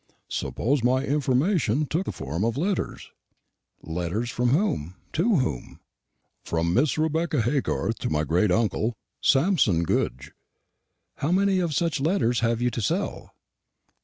"Suppose my information took the form of letters?" "Letters from whom to whom?" "From Mrs. Rebecca Haygarth to my great uncle, Samson Goodge." "How many of such letters have you to sell?"